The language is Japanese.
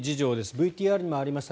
ＶＴＲにもありました